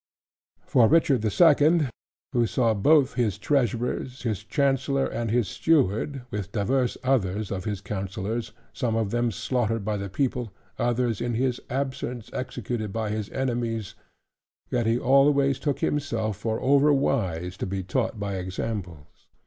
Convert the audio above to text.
For Richard the Second, who saw both his Treasurers, his Chancellor, and his Steward, with divers others of his counsellors, some of them slaughtered by the people, others in his absence executed by his enemies, yet he always took himself for over wise to be taught by examples.